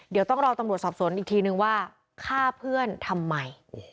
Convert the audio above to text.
เดี๋ยวต้องรอตำรวจสอบสวนอีกทีนึงว่าฆ่าเพื่อนทำไม